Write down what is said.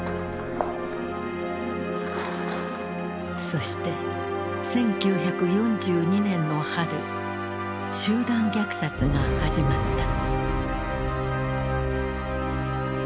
そして１９４２年の春集団虐殺が始まった。